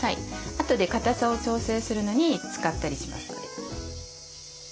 あとでかたさを調整するのに使ったりしますので。